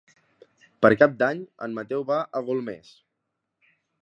Per Cap d'Any en Mateu va a Golmés.